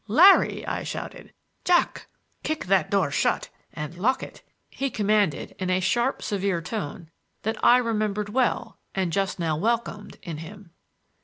"Larry!" I shouted. "Jack!" "Kick that door shut and lock it," he commanded, in a sharp, severe tone that I remembered well—and just now welcomed—in him.